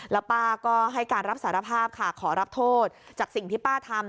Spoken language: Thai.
แล้วป้าก็ให้การรับสารภาพค่ะขอรับโทษจากสิ่งที่ป้าทำ